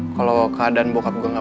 kalau keadaan bokap gue nggak